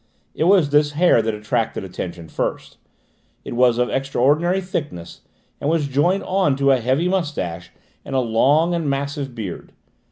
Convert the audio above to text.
It was this hair that attracted attention first; it was of extraordinary thickness and was joined on to a heavy moustache and a long and massive beard.